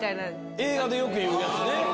映画でよく言うやつね。